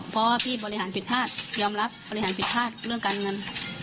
เพราะว่าพี่บริหารผิดพลาดยอมรับบริหารผิดพลาดเรื่องการเงิน